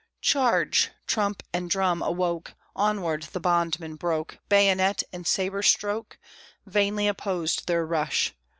"Charge!" trump and drum awoke; Onward the bondmen broke; Bayonet and sabre stroke Vainly opposed their rush.